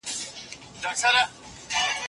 هغوی له مالي ماتې سره مخامخ شوي دي.